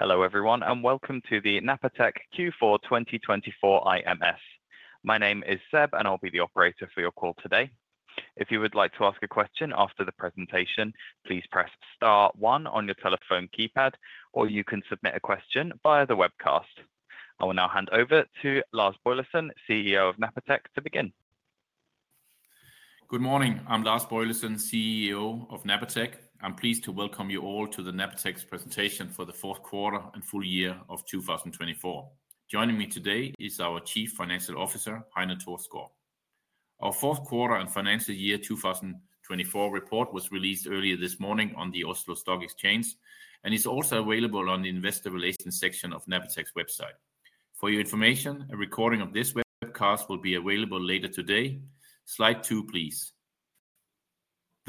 Hello everyone, and welcome to the Napatech Q4 2024 IMS. My name is Seb, and I'll be the operator for your call today. If you would like to ask a question after the presentation, please press star one on your telephone keypad, or you can submit a question via the webcast. I will now hand over to Lars Boilesen, CEO of Napatech, to begin. Good morning. I'm Lars Boilesen, CEO of Napatech. I'm pleased to welcome you all to Napatech's presentation for the fourth quarter and full year of 2024. Joining me today is our Chief Financial Officer, Heine Thorsgaard. Our fourth quarter and financial year 2024 report was released earlier this morning on the Oslo Stock Exchange and is also available on the Investor Relations section of Napatech's website. For your information, a recording of this webcast will be available later today. Slide two, please.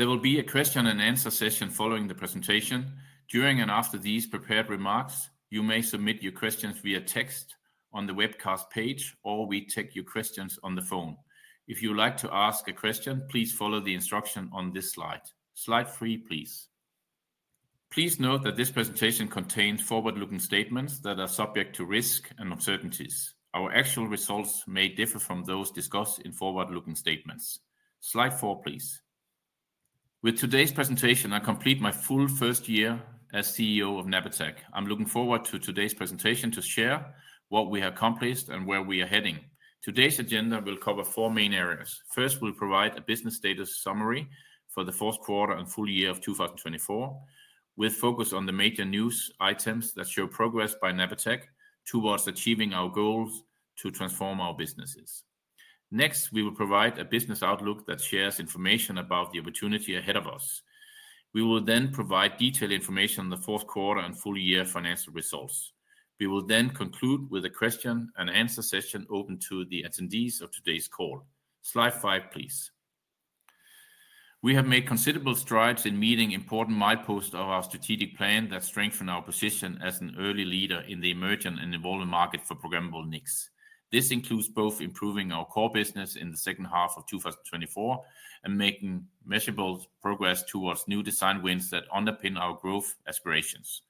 There will be a question and answer session following the presentation. During and after these prepared remarks, you may submit your questions via text on the webcast page or we take your questions on the phone. If you would like to ask a question, please follow the instruction on this slide. Slide three, please. Please note that this presentation contains forward-looking statements that are subject to risk and uncertainties. Our actual results may differ from those discussed in forward-looking statements. Slide four, please. With today's presentation, I complete my full first year as CEO of Napatech. I'm looking forward to today's presentation to share what we have accomplished and where we are heading. Today's agenda will cover four main areas. First, we'll provide a business status summary for the fourth quarter and full year of 2024, with focus on the major news items that show progress by Napatech towards achieving our goals to transform our businesses. Next, we will provide a business outlook that shares information about the opportunity ahead of us. We will then provide detailed information on the fourth quarter and full year financial results. We will then conclude with a question and answer session open to the attendees of today's call. Slide five, please. We have made considerable strides in meeting important milestones of our strategic plan that strengthen our position as an early leader in the emerging and evolving market for programmable NICs. This includes both improving our core business in the second half of 2024 and making measurable progress towards new design wins that underpin our growth aspirations.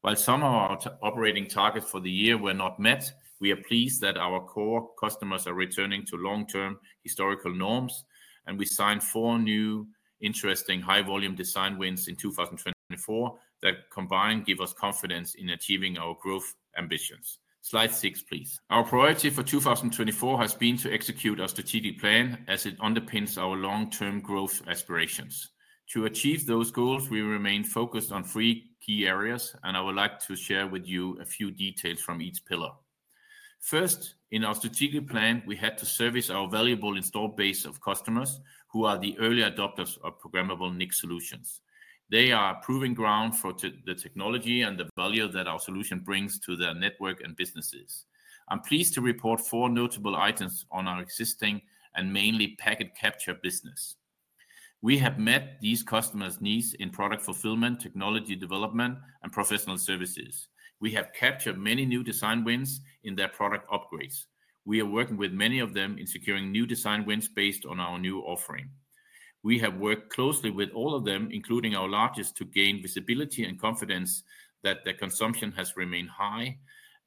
While some of our operating targets for the year were not met, we are pleased that our core customers are returning to long-term historical norms, and we signed four new interesting high-volume design wins in 2024 that combined give us confidence in achieving our growth ambitions. Slide six, please. Our priority for 2024 has been to execute our strategic plan as it underpins our long-term growth aspirations. To achieve those goals, we remain focused on three key areas, and I would like to share with you a few details from each pillar. First, in our strategic plan, we had to service our valuable installed base of customers who are the early adopters of programmable NIC solutions. They are proving ground for the technology and the value that our solution brings to their network and businesses. I'm pleased to report four notable items on our existing and mainly packet capture business. We have met these customers' needs in product fulfillment, technology development, and professional services. We have captured many new design wins in their product upgrades. We are working with many of them in securing new design wins based on our new offering. We have worked closely with all of them, including our largest, to gain visibility and confidence that their consumption has remained high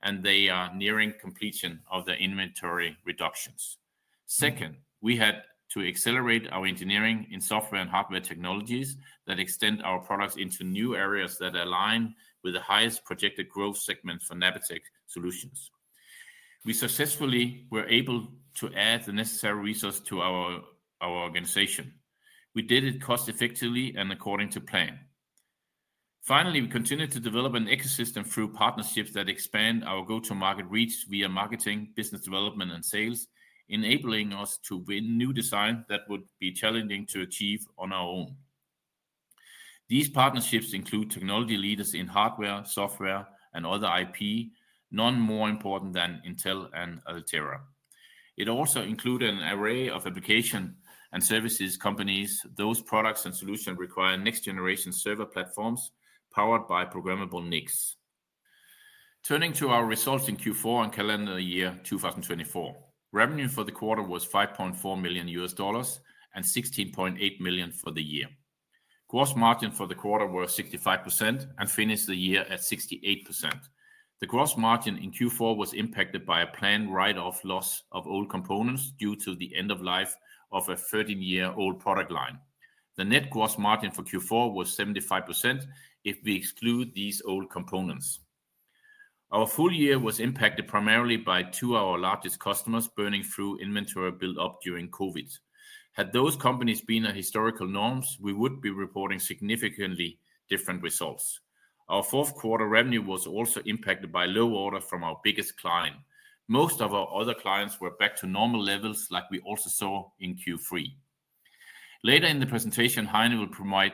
and they are nearing completion of their inventory reductions. Second, we had to accelerate our engineering in software and hardware technologies that extend our products into new areas that align with the highest projected growth segments for Napatech solutions. We successfully were able to add the necessary resources to our organization. We did it cost-effectively and according to plan. Finally, we continued to develop an ecosystem through partnerships that expand our go-to-market reach via marketing, business development, and sales, enabling us to win new designs that would be challenging to achieve on our own. These partnerships include technology leaders in hardware, software, and other IP, none more important than Intel and Altera. It also included an array of application and services companies. Those products and solutions require next-generation server platforms powered by programmable NICs. Turning to our results in Q4 and calendar year 2024, revenue for the quarter was $5.4 million and $16.8 million for the year. Gross margin for the quarter was 65% and finished the year at 68%. The gross margin in Q4 was impacted by a planned write-off loss of old components due to the end of life of a 13-year-old product line. The net gross margin for Q4 was 75% if we exclude these old components. Our full year was impacted primarily by two of our largest customers burning through inventory built up during COVID. Had those companies been our historical norms, we would be reporting significantly different results. Our fourth quarter revenue was also impacted by low order from our biggest client. Most of our other clients were back to normal levels like we also saw in Q3. Later in the presentation, Heine will provide.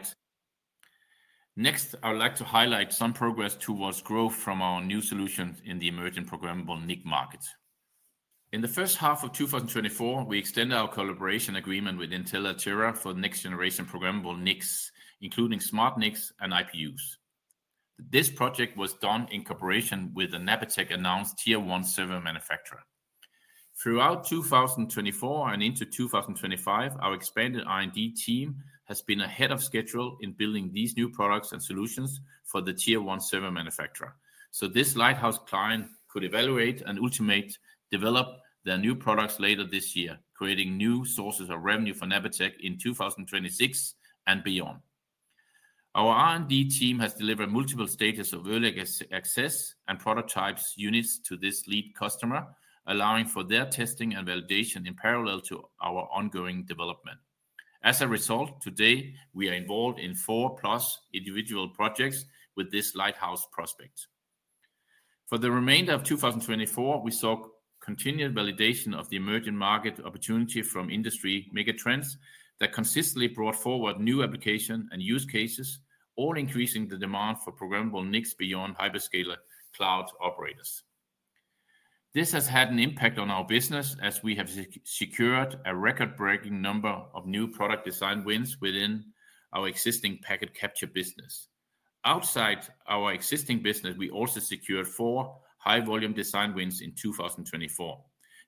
Next, I would like to highlight some progress towards growth from our new solutions in the emerging programmable NIC market. In the first half of 2024, we extended our collaboration agreement with Intel-Altera for next-generation programmable NICs, including SmartNICs and IPUs. This project was done in cooperation with the Napatech-announced tier-one server manufacturer. Throughout 2024 and into 2025, our expanded R&D team has been ahead of schedule in building these new products and solutions for the tier-one server manufacturer. This lighthouse client could evaluate and ultimately develop their new products later this year, creating new sources of revenue for Napatech in 2026 and beyond. Our R&D team has delivered multiple stages of early access and prototype units to this lead customer, allowing for their testing and validation in parallel to our ongoing development. As a result, today, we are involved in four plus individual projects with this lighthouse prospect. For the remainder of 2024, we saw continued validation of the emerging market opportunity from industry megatrends that consistently brought forward new application and use cases, all increasing the demand for programmable NICs beyond hyperscaler cloud operators. This has had an impact on our business as we have secured a record-breaking number of new product design wins within our existing packet capture business. Outside our existing business, we also secured four high-volume design wins in 2024.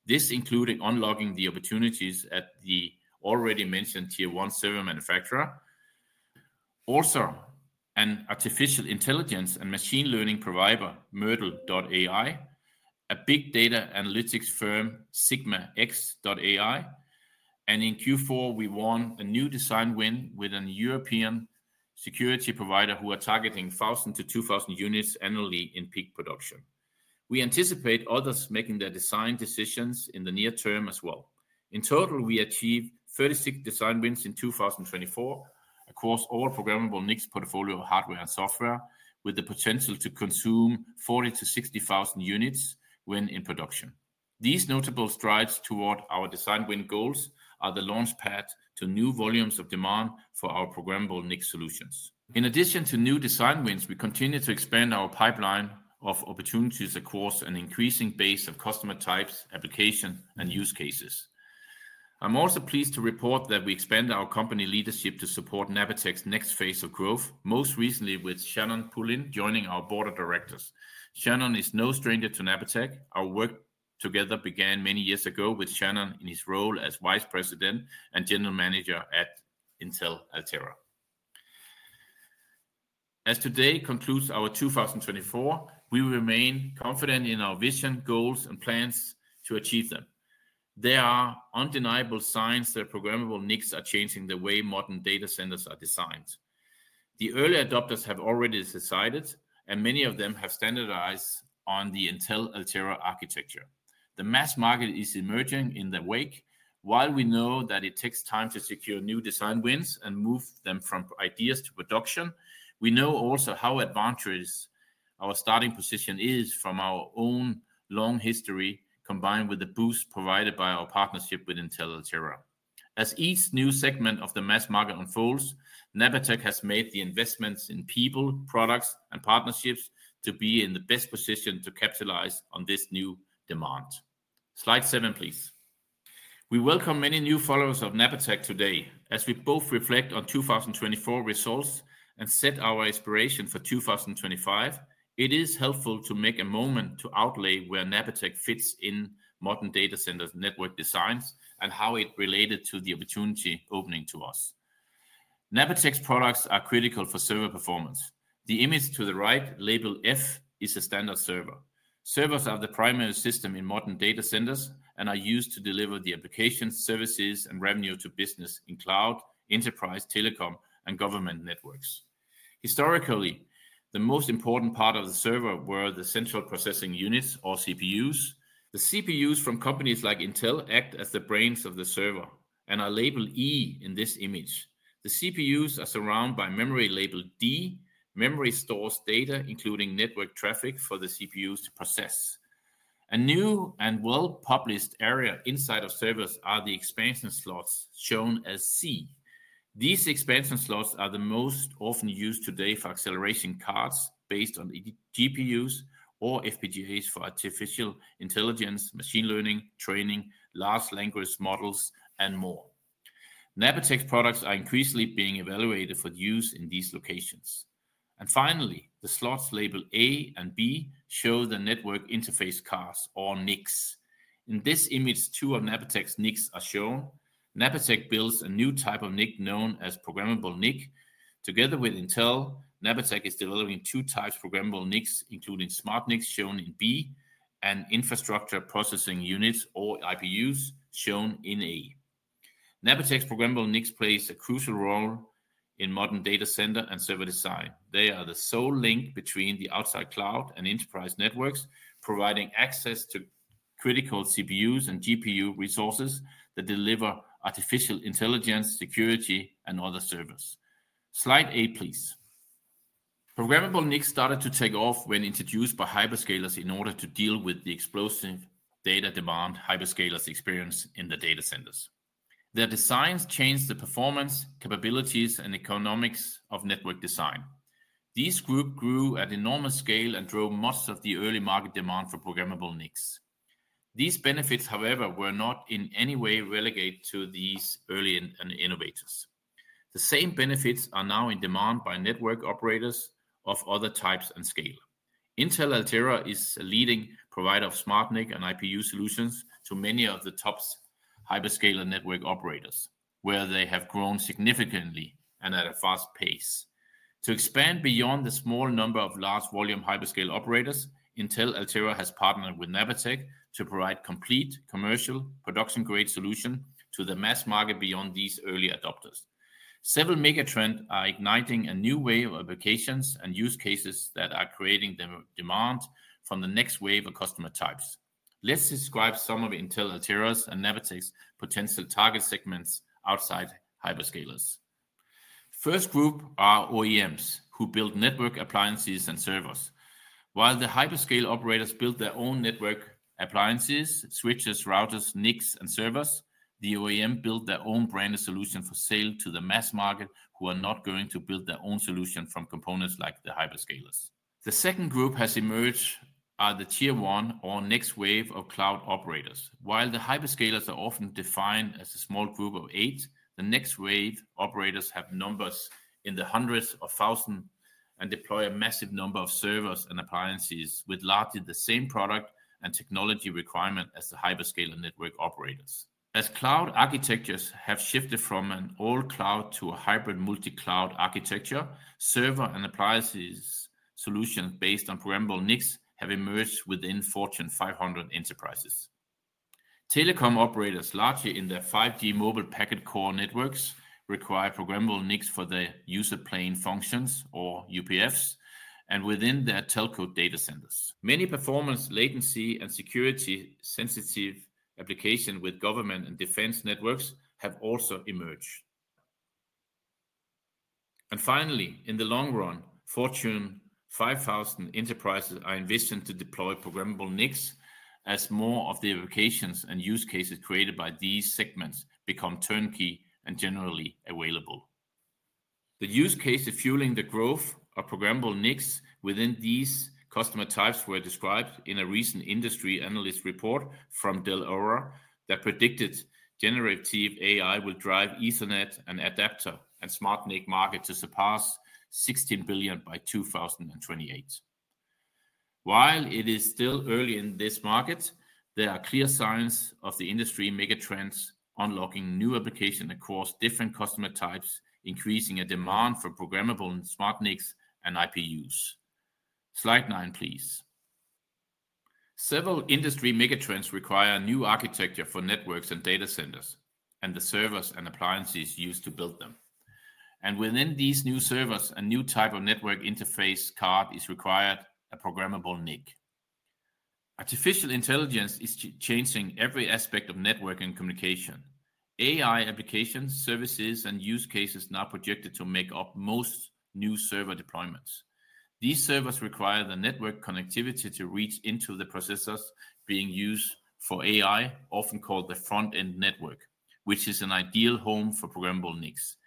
This included unlocking the opportunities at the already mentioned tier-one server manufacturer, also an artificial intelligence and machine learning provider, Myrtle.ai, a big data analytics firm, SigmaX.ai. In Q4, we won a new design win with a European security provider who are targeting 1,000-2,000 units annually in peak production. We anticipate others making their design decisions in the near term as well. In total, we achieved 36 design wins in 2024 across all programmable NICs' portfolio of hardware and software, with the potential to consume 40,000-60,000 units when in production. These notable strides toward our design win goals are the launchpad to new volumes of demand for our programmable NIC solutions. In addition to new design wins, we continue to expand our pipeline of opportunities across an increasing base of customer types, applications, and use cases. I'm also pleased to report that we expand our company leadership to support Napatech's next phase of growth, most recently with Shannon Poulin joining our board of directors. Shannon is no stranger to Napatech. Our work together began many years ago with Shannon in his role as Vice President and General Manager at Intel-Altera. As today concludes our 2024, we remain confident in our vision, goals, and plans to achieve them. There are undeniable signs that programmable NICs are changing the way modern data centers are designed. The early adopters have already decided, and many of them have standardized on the Intel-Altera architecture. The mass market is emerging in the wake. While we know that it takes time to secure new design wins and move them from ideas to production, we know also how advantageous our starting position is from our own long history, combined with the boost provided by our partnership with Intel-Altera. As each new segment of the mass market unfolds, Napatech has made the investments in people, products, and partnerships to be in the best position to capitalize on this new demand. Slide seven, please. We welcome many new followers of Napatech today. As we both reflect on 2024 results and set our aspiration for 2025, it is helpful to make a moment to outlay where Napatech fits in modern data center network designs and how it related to the opportunity opening to us. Napatech's products are critical for server performance. The image to the right, label F, is a standard server. Servers are the primary system in modern data centers and are used to deliver the applications, services, and revenue to business in cloud, enterprise, telecom, and government networks. Historically, the most important part of the server were the central processing units, or CPUs. The CPUs from companies like Intel act as the brains of the server and are labeled E in this image. The CPUs are surrounded by memory labeled D. Memory stores data, including network traffic, for the CPUs to process. A new and well-published area inside of servers are the expansion slots shown as C. These expansion slots are the most often used today for acceleration cards based on GPUs or FPGAs for artificial intelligence, machine learning, training, large language models, and more. Napatech's products are increasingly being evaluated for use in these locations. Finally, the slots labeled A and B show the network interface cards, or NICs. In this image, two of Napatech's NICs are shown. Napatech builds a new type of NIC known as programmable NIC. Together with Intel, Napatech is developing two types of programmable NICs, including SmartNICs shown in B and infrastructure processing units, or IPUs, shown in A. Napatech's programmable NICs play a crucial role in modern data center and server design. They are the sole link between the outside cloud and enterprise networks, providing access to critical CPUs and GPU resources that deliver artificial intelligence, security, and other servers. Slide eight, please. Programmable NICs started to take off when introduced by hyperscalers in order to deal with the explosive data demand hyperscalers experience in the data centers. Their designs changed the performance, capabilities, and economics of network design. These groups grew at enormous scale and drove much of the early market demand for programmable NICs. These benefits, however, were not in any way relegated to these early innovators. The same benefits are now in demand by network operators of other types and scale. Intel-Altera is a leading provider of SmartNIC and IPU solutions to many of the top hyperscaler network operators, where they have grown significantly and at a fast pace. To expand beyond the small number of large volume hyperscale operators, Intel-Altera has partnered with Napatech to provide a complete commercial production-grade solution to the mass market beyond these early adopters. Several megatrends are igniting a new wave of applications and use cases that are creating the demand from the next wave of customer types. Let's describe some of Intel-Altera's and Napatech's potential target segments outside hyperscalers. First group are OEMs who build network appliances and servers. While the hyperscale operators build their own network appliances, switches, routers, NICs, and servers, the OEMs build their own branded solution for sale to the mass market who are not going to build their own solution from components like the hyperscalers. The second group has emerged as the tier-one or next wave of cloud operators. While the hyperscalers are often defined as a small group of eight, the next wave operators have numbers in the hundreds of thousands and deploy a massive number of servers and appliances with largely the same product and technology requirement as the hyperscaler network operators. As cloud architectures have shifted from an all-cloud to a hybrid multi-cloud architecture, server and appliances solutions based on programmable NICs have emerged within Fortune 500 enterprises. Telecom operators, largely in their 5G mobile packet core networks, require programmable NICs for their user-plane functions, or UPFs, and within their telco data centers. Many performance, latency, and security-sensitive applications with government and defense networks have also emerged. Finally, in the long run, Fortune 5000 enterprises are envisioned to deploy programmable NICs as more of the applications and use cases created by these segments become turnkey and generally available. The use cases fueling the growth of programmable NICs within these customer types were described in a recent industry analyst report from Dell'Oro that predicted generative AI will drive Ethernet and adapter and SmartNIC market to surpass $16 billion by 2028. While it is still early in this market, there are clear signs of the industry megatrends unlocking new applications across different customer types, increasing the demand for programmable SmartNICs and IPUs. Slide nine, please. Several industry megatrends require new architecture for networks and data centers and the servers and appliances used to build them. Within these new servers, a new type of network interface card is required, a programmable NIC. Artificial intelligence is changing every aspect of network and communication. AI applications, services, and use cases are now projected to make up most new server deployments. These servers require the network connectivity to reach into the processors being used for AI, often called the front-end network, which is an ideal home for programmable NICs.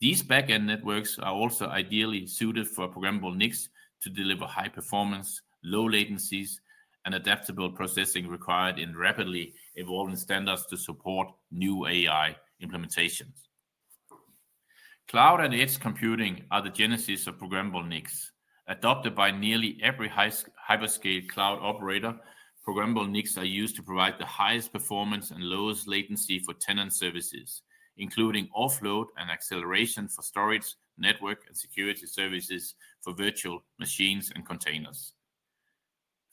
These back-end networks are also ideally suited for programmable NICs to deliver high performance, low latencies, and adaptable processing required in rapidly evolving standards to support new AI implementations. Cloud and edge computing are the genesis of programmable NICs. Adopted by nearly every hyperscale cloud operator, programmable NICs are used to provide the highest performance and lowest latency for tenant services, including offload and acceleration for storage, network, and security services for virtual machines and containers.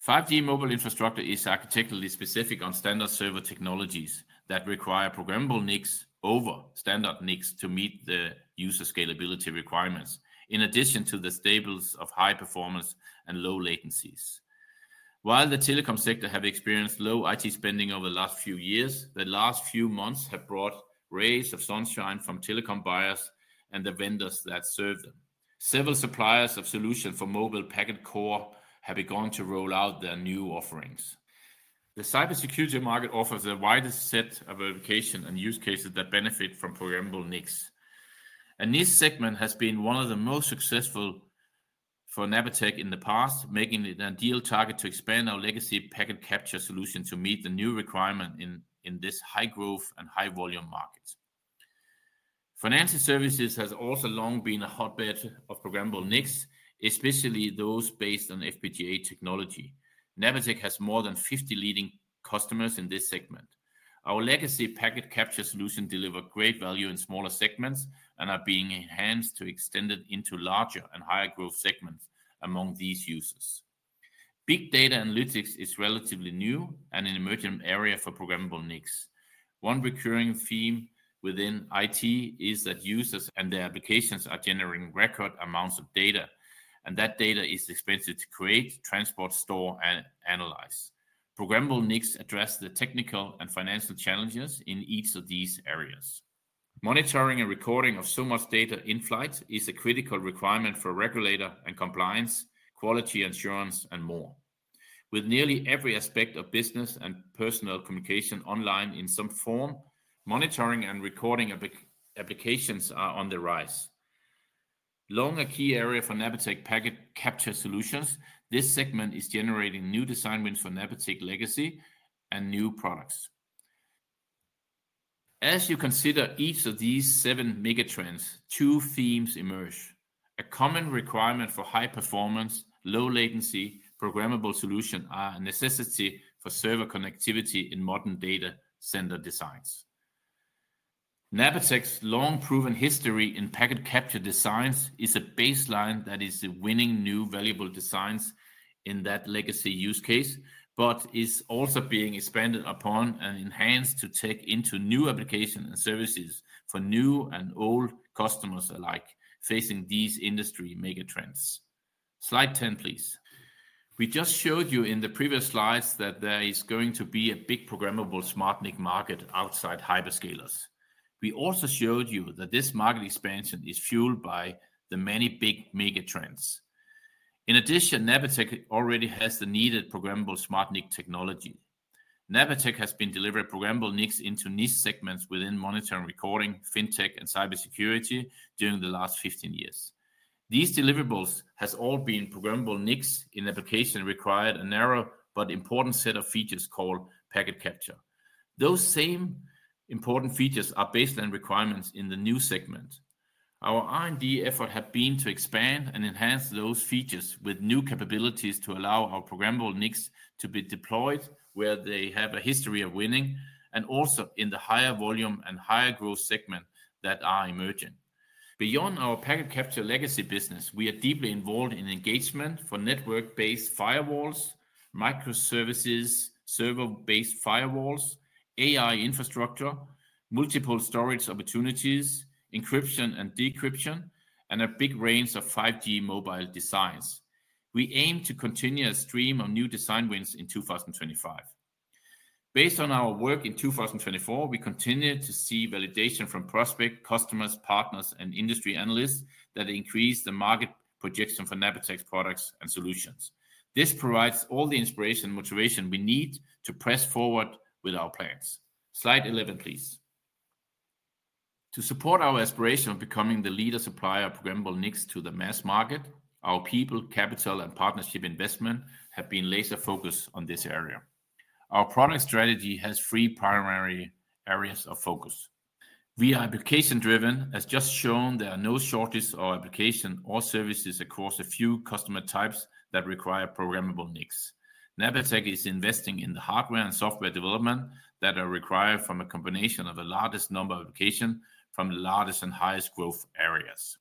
5G mobile infrastructure is architecturally specific on standard server technologies that require programmable NICs over standard NICs to meet the user scalability requirements, in addition to the stables of high performance and low latencies. While the telecom sector has experienced low IT spending over the last few years, the last few months have brought rays of sunshine from telecom buyers and the vendors that serve them. Several suppliers of solutions for mobile packet core have begun to roll out their new offerings. The cybersecurity market offers a wider set of applications and use cases that benefit from programmable NICs. This segment has been one of the most successful for Napatech in the past, making it an ideal target to expand our legacy packet capture solution to meet the new requirement in this high-growth and high-volume market. Financial services has also long been a hotbed of programmable NICs, especially those based on FPGA technology. Napatech has more than 50 leading customers in this segment. Our legacy packet capture solutions deliver great value in smaller segments and are being enhanced to extend it into larger and higher-growth segments among these users. Big data analytics is relatively new and an emerging area for programmable NICs. One recurring theme within IT is that users and their applications are generating record amounts of data, and that data is expensive to create, transport, store, and analyze. Programmable NICs address the technical and financial challenges in each of these areas. Monitoring and recording of so much data in flight is a critical requirement for regulator and compliance, quality assurance, and more. With nearly every aspect of business and personal communication online in some form, monitoring and recording of applications are on the rise. Long a key area for Napatech packet capture solutions, this segment is generating new design wins for Napatech legacy and new products. As you consider each of these seven megatrends, two themes emerge. A common requirement for high-performance, low-latency programmable solutions is a necessity for server connectivity in modern data center designs. Napatech's long-proven history in packet capture designs is a baseline that is winning new valuable designs in that legacy use case, but is also being expanded upon and enhanced to take into new applications and services for new and old customers alike facing these industry megatrends. Slide 10, please. We just showed you in the previous slides that there is going to be a big programmable SmartNIC market outside hyperscalers. We also showed you that this market expansion is fueled by the many big megatrends. In addition, Napatech already has the needed programmable SmartNIC technology. Napatech has been delivering programmable NICs into niche segments within monitoring and recording, fintech, and cybersecurity during the last 15 years. These deliverables have all been programmable NICs in application required a narrow but important set of features called packet capture. Those same important features are baseline requirements in the new segment. Our R&D effort has been to expand and enhance those features with new capabilities to allow our programmable NICs to be deployed where they have a history of winning and also in the higher volume and higher-growth segment that are emerging. Beyond our packet capture legacy business, we are deeply involved in engagement for network-based firewalls, microservices, server-based firewalls, AI infrastructure, multiple storage opportunities, encryption and decryption, and a big range of 5G mobile designs. We aim to continue a stream of new design wins in 2025. Based on our work in 2024, we continue to see validation from prospect customers, partners, and industry analysts that increase the market projection for Napatech's products and solutions. This provides all the inspiration and motivation we need to press forward with our plans. Slide 11, please. To support our aspiration of becoming the leader supplier of programmable NICs to the mass market, our people, capital, and partnership investment have been laser-focused on this area. Our product strategy has three primary areas of focus. We are application-driven, as just shown. There are no shortages of applications or services across a few customer types that require programmable NICs. Napatech is investing in the hardware and software development that are required from a combination of the largest number of applications from the largest and highest-growth areas.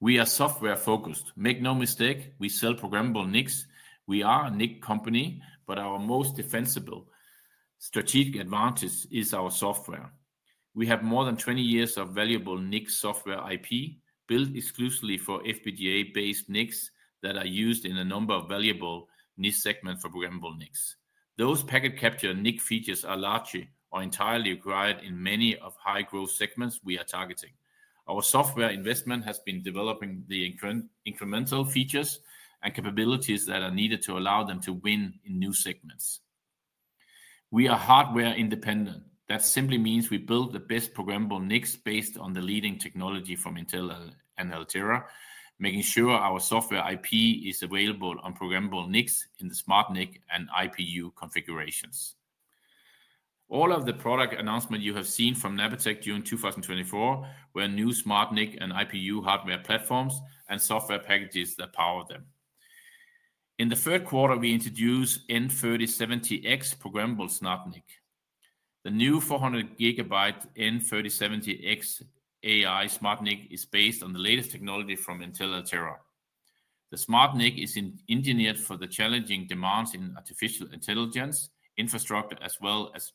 We are software-focused. Make no mistake, we sell programmable NICs. We are a NIC company, but our most defensible strategic advantage is our software. We have more than 20 years of valuable NIC software IP built exclusively for FPGA-based NICs that are used in a number of valuable niche segments for programmable NICs. Those packet capture NIC features are largely or entirely required in many of the high-growth segments we are targeting. Our software investment has been developing the incremental features and capabilities that are needed to allow them to win in new segments. We are hardware independent. That simply means we build the best programmable NICs based on the leading technology from Intel and Altera, making sure our software IP is available on programmable NICs in the SmartNIC and IPU configurations. All of the product announcements you have seen from Napatech during 2024 were new SmartNIC and IPU hardware platforms and software packages that power them. In the third quarter, we introduced N3070X programmable SmartNIC. The new 400 GB N3070X AI SmartNIC is based on the latest technology from Intel-Altera. The SmartNIC is engineered for the challenging demands in artificial intelligence infrastructure as well as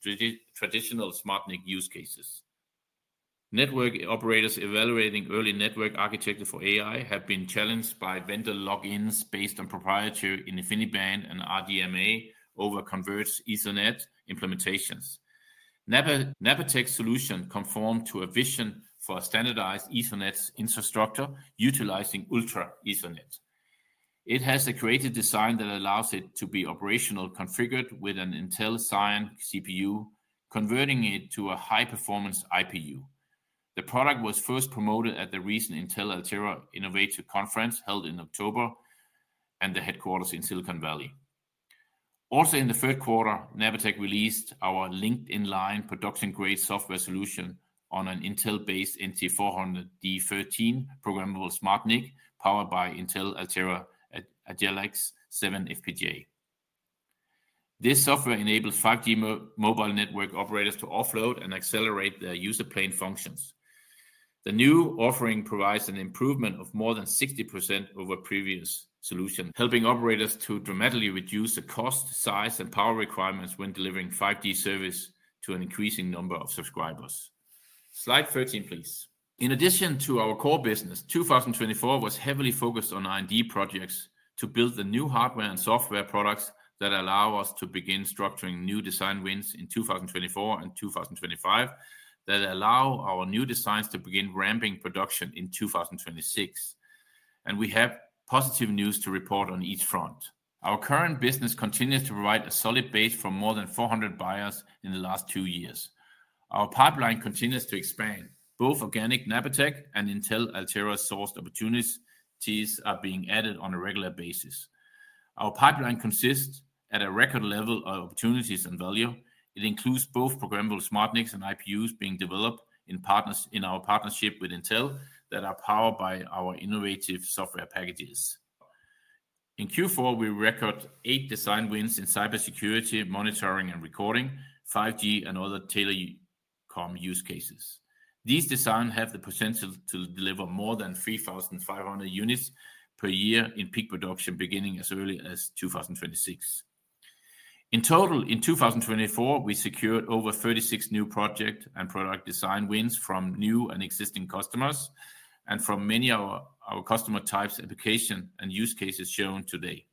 traditional SmartNIC use cases. Network operators evaluating early network architecture for AI have been challenged by vendor lock-ins based on proprietary InfiniBand and RDMA over Converged Ethernet implementations. Napatech's solution conforms to a vision for a standardized Ethernet infrastructure utilizing Ultra Ethernet. It has a creative design that allows it to be operationally configured with an Intel Xeon CPU, converting it to a high-performance IPU. The product was first promoted at the recent Intel-Altera Innovation Conference held in October and the headquarters in Silicon Valley. Also, in the third quarter, Napatech released our Link-Inline production-grade software solution on an Intel-based NT400D13 programmable SmartNIC powered by Intel-Altera Agilex 7 FPGA. This software enables 5G mobile network operators to offload and accelerate their user-plane functions. The new offering provides an improvement of more than 60% over previous solutions, helping operators to dramatically reduce the cost, size, and power requirements when delivering 5G service to an increasing number of subscribers. Slide 13, please. In addition to our core business, 2024 was heavily focused on R&D projects to build the new hardware and software products that allow us to begin structuring new design wins in 2024 and 2025 that allow our new designs to begin ramping production in 2026. We have positive news to report on each front. Our current business continues to provide a solid base for more than 400 buyers in the last two years. Our pipeline continues to expand. Both organic Napatech and Intel-Altera-sourced opportunities are being added on a regular basis. Our pipeline consists at a record level of opportunities and value. It includes both programmable SmartNICs and IPUs being developed in our partnership with Intel that are powered by our innovative software packages. In Q4, we record eight design wins in cybersecurity, monitoring, and recording, 5G, and other telecom use cases. These designs have the potential to deliver more than 3,500 units per year in peak production, beginning as early as 2026. In total, in 2024, we secured over 36 new project and product design wins from new and existing customers and from many of our customer types, applications, and use cases shown today.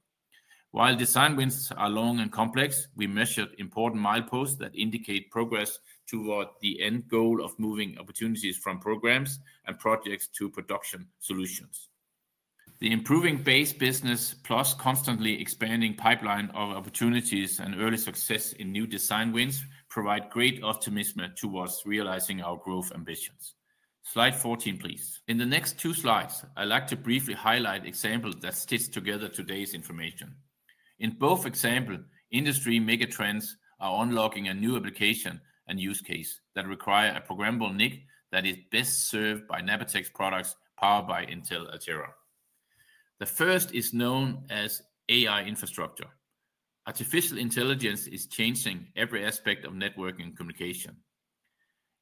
While design wins are long and complex, we measured important milestones that indicate progress toward the end goal of moving opportunities from programs and projects to production solutions. The improving base business plus constantly expanding pipeline of opportunities and early success in new design wins provide great optimism towards realizing our growth ambitions. Slide 14, please. In the next two slides, I'd like to briefly highlight examples that stitch together today's information. In both examples, industry megatrends are unlocking a new application and use case that require a programmable NIC that is best served by Napatech's products powered by Intel-Altera. The first is known as AI infrastructure. Artificial intelligence is changing every aspect of networking and communication.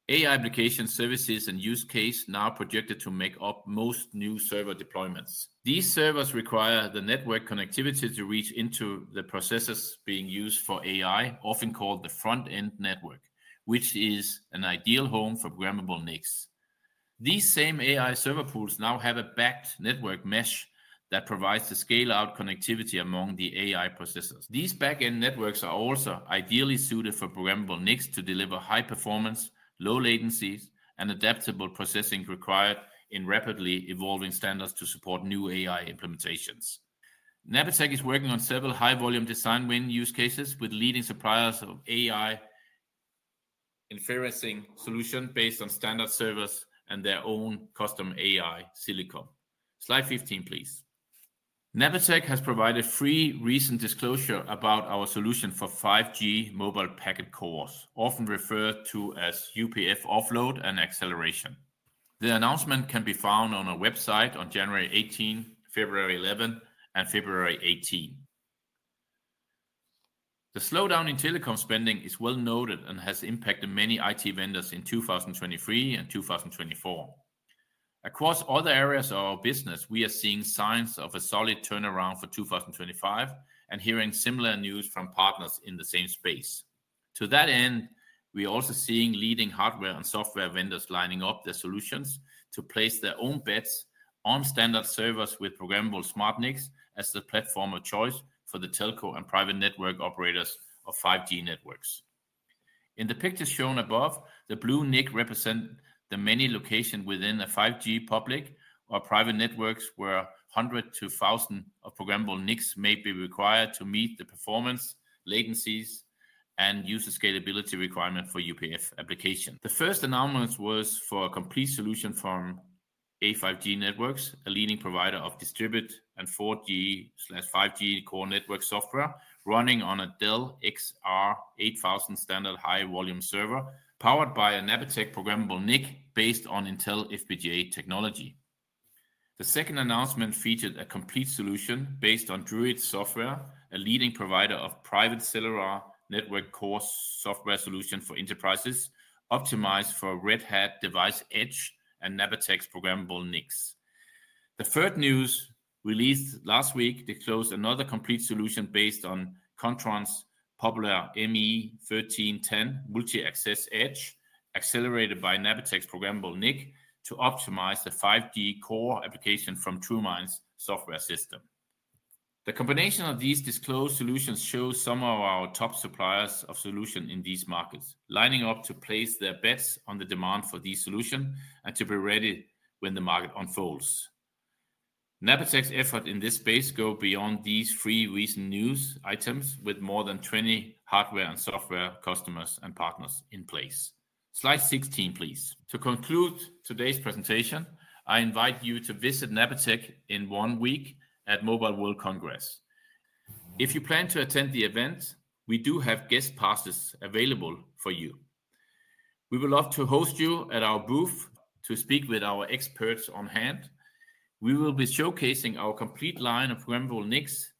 AI application services and use cases are now projected to make up most new server deployments. These servers require the network connectivity to reach into the processors being used for AI, often called the front-end network, which is an ideal home for programmable NICs. These same AI server pools now have a back-end network mesh that provides the scale-out connectivity among the AI processors. These back-end networks are also ideally suited for programmable NICs to deliver high performance, low latencies, and adaptable processing required in rapidly evolving standards to support new AI implementations. Napatech is working on several high-volume design win use cases with leading suppliers of AI inferencing solutions based on standard servers and their own custom AI silicon. Slide 15, please. Napatech has provided a free recent disclosure about our solution for 5G mobile packet cores, often referred to as UPF offload and acceleration. The announcement can be found on our website on January 18, February 11, and February 18. The slowdown in telecom spending is well noted and has impacted many IT vendors in 2023 and 2024. Across all the areas of our business, we are seeing signs of a solid turnaround for 2025 and hearing similar news from partners in the same space. To that end, we are also seeing leading hardware and software vendors lining up their solutions to place their own bets on standard servers with programmable SmartNICs as the platform of choice for the telco and private network operators of 5G networks. In the pictures shown above, the blue NIC represents the many locations within a 5G public or private network where 100-1,000 of programmable NICs may be required to meet the performance, latencies, and user scalability requirements for UPF applications. The first announcement was for a complete solution from A5G Networks, a leading provider of distributed and 4G/5G core network software running on a Dell XR8000 standard high-volume server powered by a Napatech programmable NIC based on Intel FPGA technology. The second announcement featured a complete solution based on Druid Software, a leading provider of private cellular network core software solutions for enterprises optimized for Red Hat Device Edge and Napatech's programmable NICs. The third news, released last week, disclosed another complete solution based on Kontron's popular ME1310 Multi-Access Edge, accelerated by Napatech's programmable NIC to optimize the 5G core application from Truminds Software Systems. The combination of these disclosed solutions shows some of our top suppliers of solutions in these markets lining up to place their bets on the demand for these solutions and to be ready when the market unfolds. Napatech's efforts in this space go beyond these three recent news items with more than 20 hardware and software customers and partners in place. Slide 16, please. To conclude today's presentation, I invite you to visit Napatech in one week at Mobile World Congress. If you plan to attend the event, we do have guest passes available for you. We would love to host you at our booth to speak with our experts on hand. We will be showcasing our complete line of programmable NICs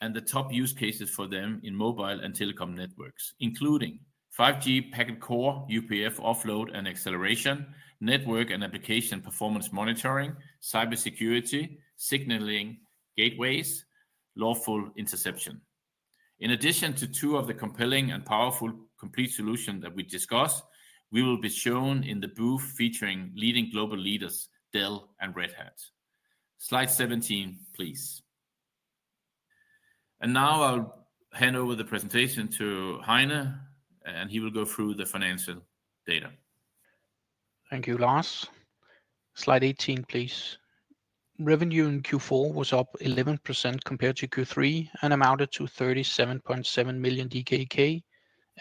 and the top use cases for them in mobile and telecom networks, including 5G packet core, UPF offload and acceleration, network and application performance monitoring, cybersecurity, signaling gateways, lawful interception. In addition to two of the compelling and powerful complete solutions that we discussed, we will be showing in the booth featuring leading global leaders, Dell and Red Hat. Slide 17, please. Now I will hand over the presentation to Heine, and he will go through the financial data. Thank you, Lars. Slide 18, please. Revenue in Q4 was up 11% compared to Q3 and amounted to 37.7 million DKK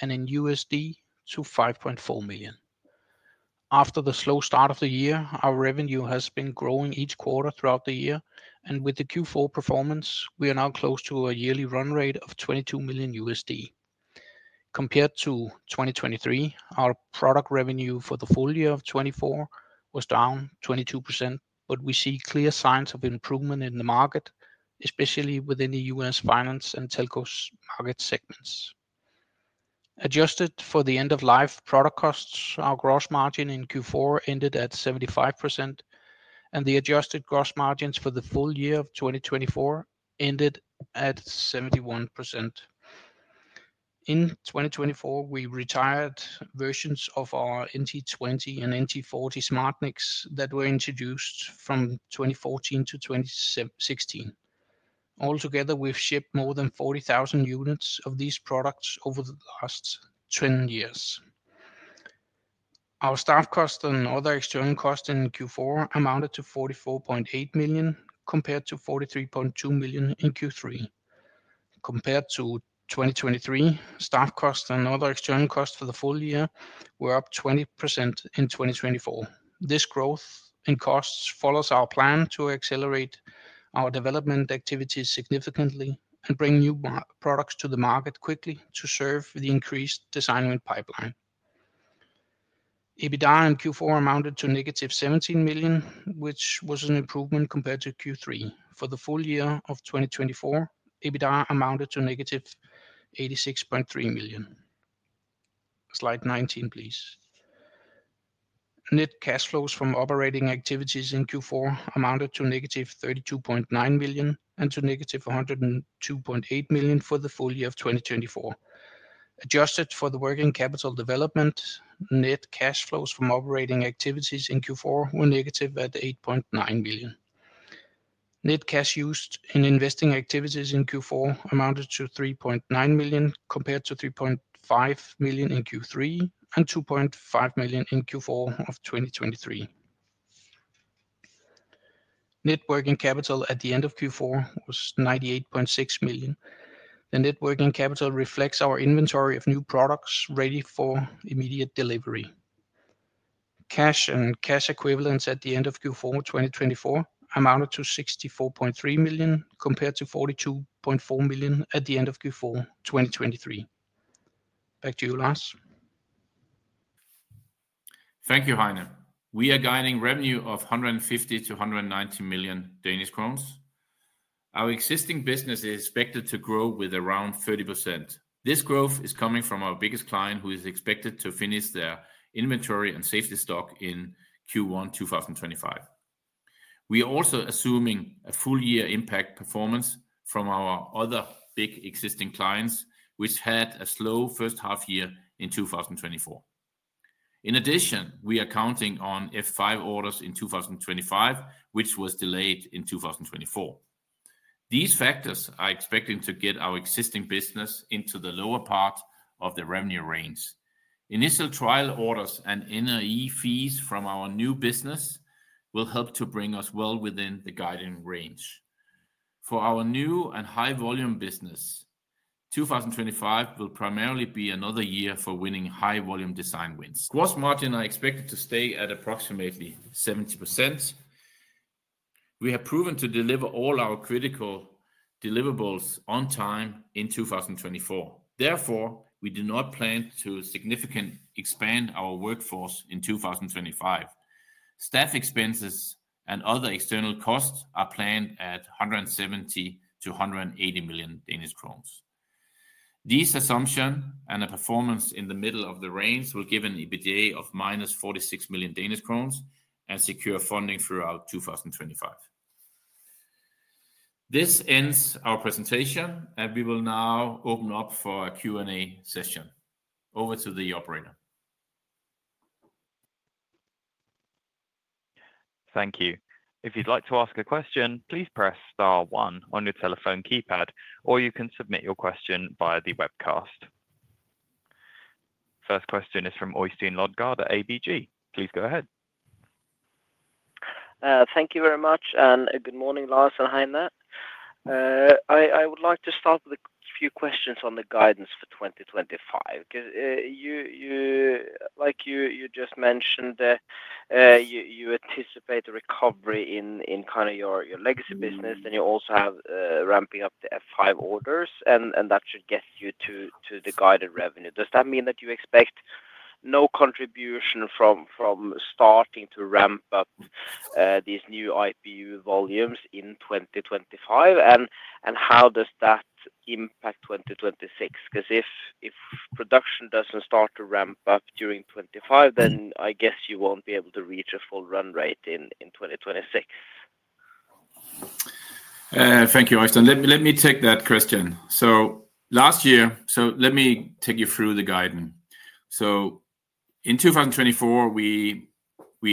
and in USD to $5.4 million. After the slow start of the year, our revenue has been growing each quarter throughout the year, and with the Q4 performance, we are now close to a yearly run rate of $22 million. Compared to 2023, our product revenue for the full year of 2024 was down 22%, but we see clear signs of improvement in the market, especially within the U.S. finance and telco market segments. Adjusted for the end-of-life product costs, our gross margin in Q4 ended at 75%, and the adjusted gross margins for the full year of 2024 ended at 71%. In 2024, we retired versions of our NT20 and NT40 SmartNICs that were introduced from 2014 to 2016. Altogether, we have shipped more than 40,000 units of these products over the last 10 years. Our staff cost and other external costs in Q4 amounted to 44.8 million compared to 43.2 million in Q3. Compared to 2023, staff cost and other external costs for the full year were up 20% in 2024. This growth in costs follows our plan to accelerate our development activities significantly and bring new products to the market quickly to serve the increased design pipeline. EBITDA in Q4 amounted to -17 million, which was an improvement compared to Q3. For the full year of 2024, EBITDA amounted to -86.3 million. Slide 19, please. Net cash flows from operating activities in Q4 amounted to -32.9 million and to -102.8 million for the full year of 2024. Adjusted for the working capital development, net cash flows from operating activities in Q4 were negative at 8.9 million. Net cash used in investing activities in Q4 amounted to 3.9 million compared to 3.5 million in Q3 and 2.5 million in Q4 of 2023. Net working capital at the end of Q4 was 98.6 million. The net working capital reflects our inventory of new products ready for immediate delivery. Cash and cash equivalents at the end of Q4 2024 amounted to 64.3 million compared to 42.4 million at the end of Q4 2023. Back to you, Lars. Thank you, Heine. We are guiding revenue of 150 million-190 million Danish crowns. Our existing business is expected to grow with around 30%. This growth is coming from our biggest client, who is expected to finish their inventory and safety stock in Q1 2025. We are also assuming a full-year impact performance from our other big existing clients, which had a slow first half year in 2024. In addition, we are counting on F5 orders in 2025, which was delayed in 2024. These factors are expected to get our existing business into the lower part of the revenue range. Initial trial orders and NRE fees from our new business will help to bring us well within the guiding range. For our new and high-volume business, 2025 will primarily be another year for winning high-volume design wins. Gross margin is expected to stay at approximately 70%. We have proven to deliver all our critical deliverables on time in 2024. Therefore, we do not plan to significantly expand our workforce in 2025. Staff expenses and other external costs are planned at 170 million-180 million Danish crowns. These assumptions and a performance in the middle of the range will give an EBITDA of -46 million Danish crowns and secure funding throughout 2025. This ends our presentation, and we will now open up for a Q&A session. Over to the operator. Thank you. If you'd like to ask a question, please press star one on your telephone keypad, or you can submit your question via the webcast. First question is from Øystein Lodgaard at ABG. Please go ahead. Thank you very much, and good morning, Lars and Heine. I would like to start with a few questions on the guidance for 2025. Like you just mentioned, you anticipate a recovery in kind of your legacy business, and you also have ramping up the F5 orders, and that should get you to the guided revenue. Does that mean that you expect no contribution from starting to ramp up these new IPU volumes in 2025? How does that impact 2026? Because if production doesn't start to ramp up during 2025, then I guess you won't be able to reach a full run rate in 2026. Thank you, Øystein. Let me take that question. Last year, let me take you through the guidance. In 2024, we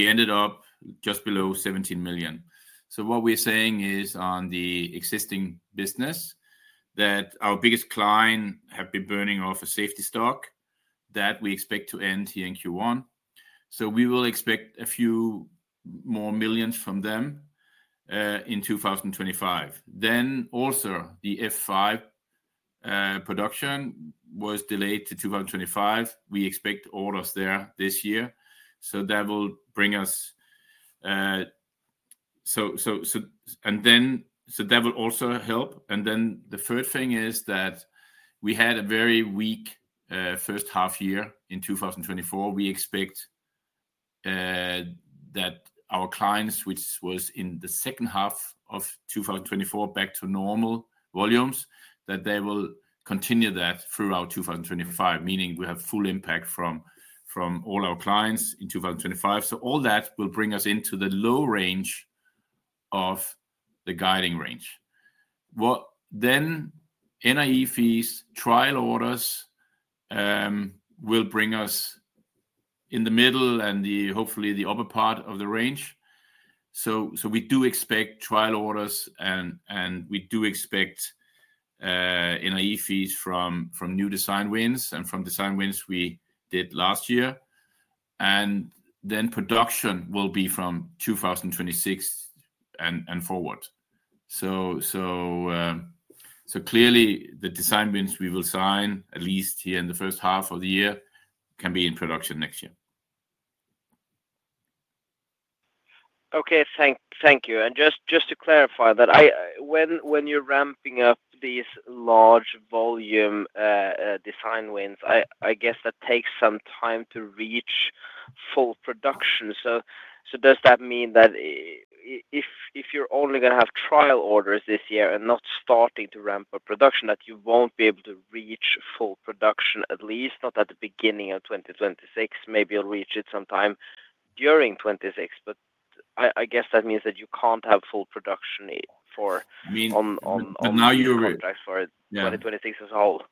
ended up just below $17 million. What we are saying is on the existing business that our biggest client has been burning off a safety stock that we expect to end here in Q1. We will expect a few more millions from them in 2025. Also, the F5 production was delayed to 2025. We expect orders there this year. That will bring us, and that will also help. The third thing is that we had a very weak first half year in 2024. We expect that our clients, which was in the second half of 2024, back to normal volumes, that they will continue that throughout 2025, meaning we have full impact from all our clients in 2025. All that will bring us into the low range of the guiding range. NRE fees, trial orders will bring us in the middle and hopefully the upper part of the range. We do expect trial orders, and we do expect NRE fees from new design wins and from design wins we did last year. Production will be from 2026 and forward. Clearly, the design wins we will sign, at least here in the first half of the year, can be in production next year. Okay, thank you. Just to clarify that, when you're ramping up these large volume design wins, I guess that takes some time to reach full production. Does that mean that if you're only going to have trial orders this year and not starting to ramp up production, that you won't be able to reach full production, at least not at the beginning of 2026? Maybe you'll reach it sometime during 2026, but I guess that means that you can't have full production for now, your 2026 as a whole.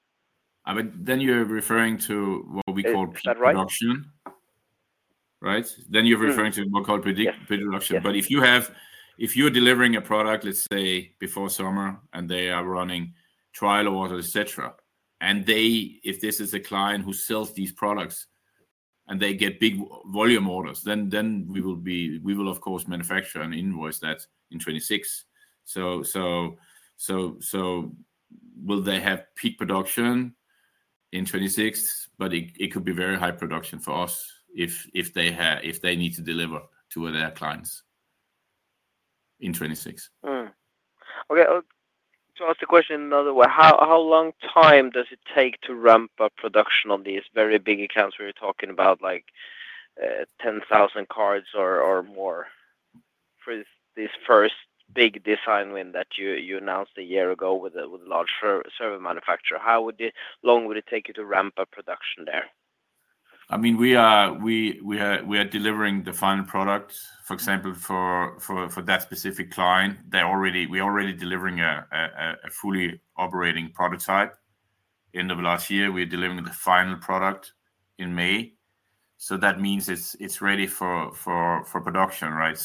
I mean, you're referring to what we call pre-production. Right? You're referring to what we call pre-production. If you're delivering a product, let's say, before summer, and they are running trial orders, etc., and if this is a client who sells these products and they get big volume orders, then we will, of course, manufacture and invoice that in 2026. Will they have peak production in 2026? It could be very high production for us if they need to deliver to their clients in 2026. Okay. To ask the question another way, how long time does it take to ramp up production on these very big accounts we were talking about, like 10,000 cards or more, for this first big design win that you announced a year ago with a large server manufacturer? How long would it take you to ramp up production there? I mean, we are delivering the final product. For example, for that specific client, we're already delivering a fully operating prototype. In the last year, we're delivering the final product in May. That means it's ready for production, right?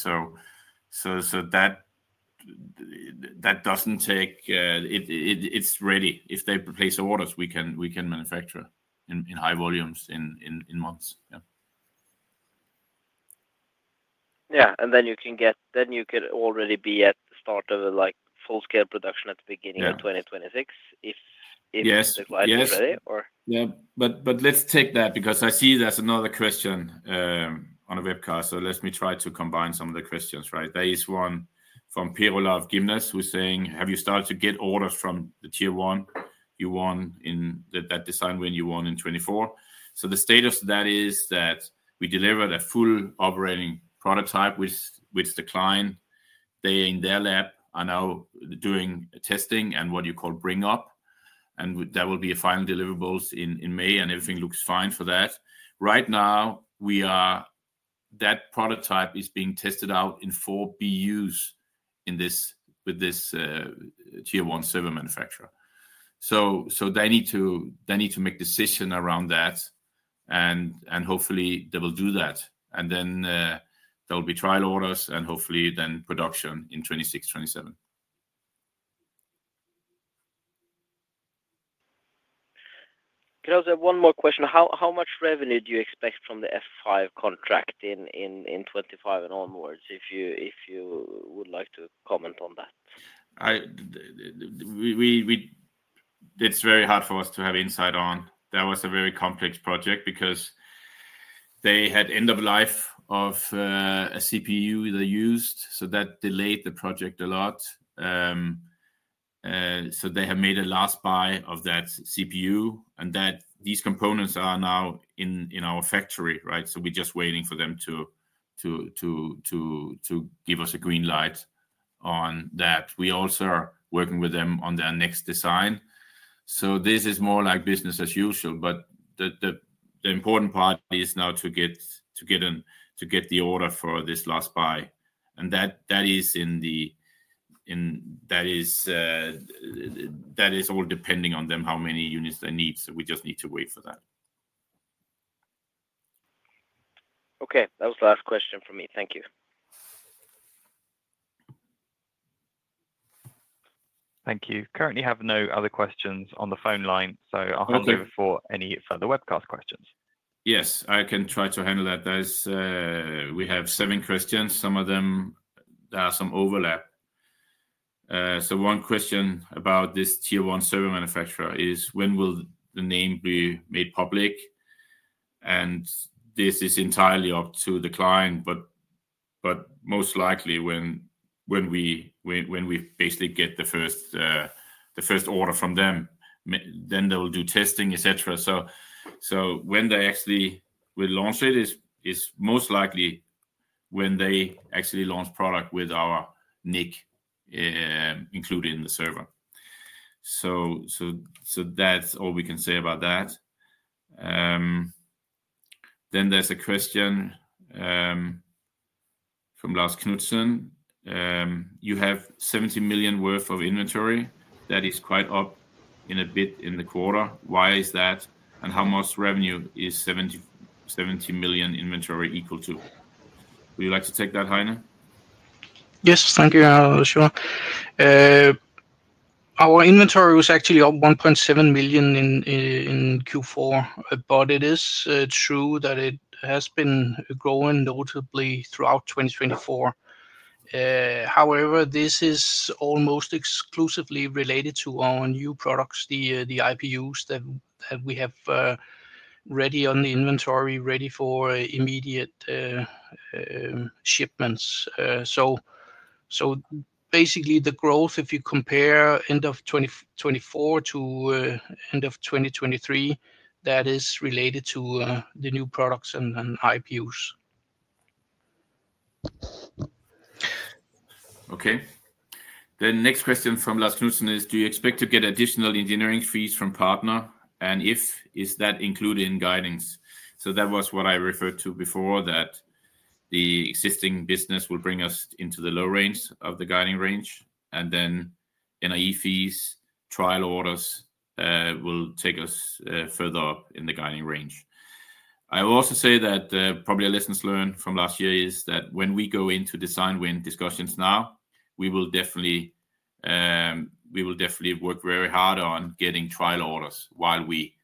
That doesn't take, it's ready. If they place orders, we can manufacture in high volumes in months. Yeah. Yeah. You could already be at the start of a full-scale production at the beginning of 2026 if the client is ready, right? Yes. Yeah. Let me take that because I see there's another question on a webcast, so let me try to combine some of the questions, right? There is one from Per Olav Gimnes, who's saying, "Have you started to get orders from the tier one, you won in that design win you won in 2024?" The status of that is that we delivered a full operating prototype with the client. They are in their lab, are now doing testing and what you call bring up. There will be final deliverables in May, and everything looks fine for that. Right now, that prototype is being tested out in four BUs with this tier one server manufacturer. They need to make a decision around that, and hopefully, they will do that. There will be trial orders, and hopefully, then production in 2026, 2027. Can I ask one more question? How much revenue do you expect from the F5 contract in 2025 and onwards if you would like to comment on that? It's very hard for us to have insight on. That was a very complex project because they had end-of-life of a CPU they used, so that delayed the project a lot. They have made a last buy of that CPU, and these components are now in our factory, right? We are just waiting for them to give us a green light on that. We also are working with them on their next design. This is more like business as usual, but the important part is now to get the order for this last buy. That is all depending on them, how many units they need. We just need to wait for that. Okay. That was the last question for me. Thank you. Thank you. Currently, I have no other questions on the phone line, so I'll hand over for any further webcast questions. Yes, I can try to handle that. We have seven questions. Some of them, there are some overlap. One question about this tier one server manufacturer is, when will the name be made public? This is entirely up to the client, but most likely when we basically get the first order from them, then they will do testing, etc. When they actually will launch, it is most likely when they actually launch product with our NIC included in the server. That is all we can say about that. There is a question from Lars Knudsen. You have 70 million worth of inventory. That is quite up in a bit in the quarter. Why is that? And how much revenue is 70 million inventory equal to? Would you like to take that, Heine? Yes, thank you, Oystein. Our inventory was actually up 1.7 million in Q4, but it is true that it has been growing notably throughout 2024. However, this is almost exclusively related to our new products, the IPUs that we have ready on the inventory, ready for immediate shipments. Basically, the growth, if you compare end of 2024 to end of 2023, that is related to the new products and IPUs. Okay. The next question from Lars Knudsen is, do you expect to get additional engineering fees from partner? And if, is that included in guidance? That was what I referred to before, that the existing business will bring us into the low range of the guiding range, and then NRE fees, trial orders will take us further up in the guiding range. I will also say that probably a lesson learned from last year is that when we go into design win discussions now, we will definitely work very hard on getting trial orders while we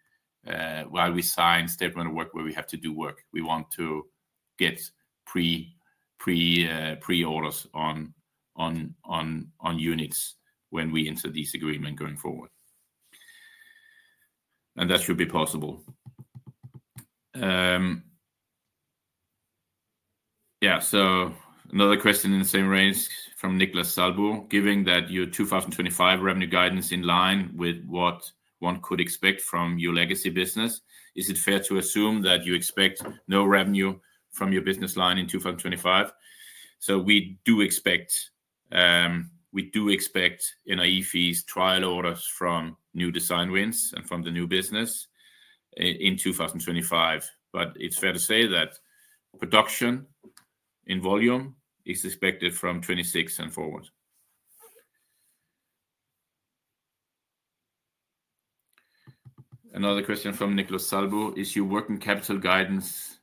sign step on the work where we have to do work. We want to get pre-orders on units when we enter this agreement going forward. That should be possible. Yeah. Another question in the same race from Nicolas Soelberg, given that your 2025 revenue guidance is in line with what one could expect from your legacy business, is it fair to assume that you expect no revenue from your business line in 2025? We do expect NRE fees, trial orders from new design wins, and from the new business in 2025. It is fair to say that production in volume is expected from 2026 and forward. Another question from Nicolas Soelberg is, you work in capital guidance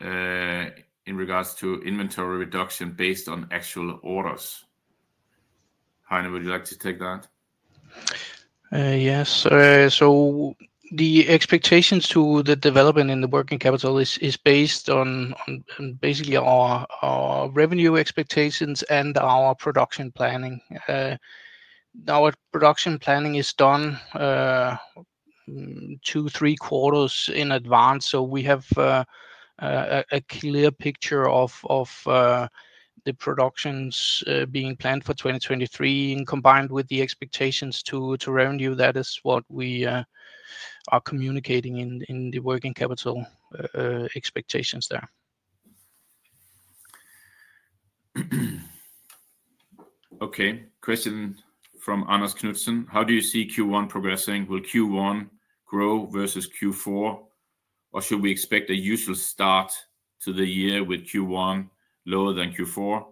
in regards to inventory reduction based on actual orders. Heine, would you like to take that? Yes. The expectations to the development in the working capital is based on basically our revenue expectations and our production planning. Our production planning is done two, three quarters in advance. We have a clear picture of the productions being planned for 2023 and combined with the expectations to revenue. That is what we are communicating in the working capital expectations there. Okay. Question from Anders Knudsen. How do you see Q1 progressing? Will Q1 grow versus Q4? Or should we expect a usual start to the year with Q1 lower than Q4?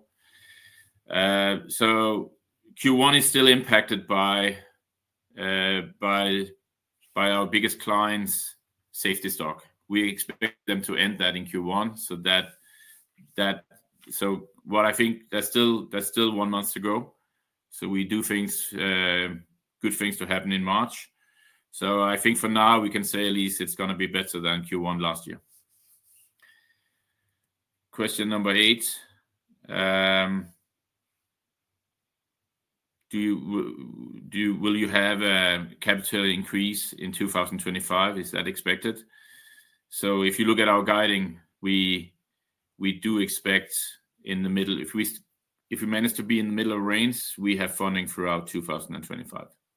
Q1 is still impacted by our biggest client's safety stock. We expect them to end that in Q1. What I think, there's still one month to go. We do things, good things to happen in March. I think for now, we can say at least it's going to be better than Q1 last year. Question number eight. Will you have a capital increase in 2025? Is that expected? If you look at our guiding, we do expect in the middle if we manage to be in the middle of range, we have funding throughout 2025.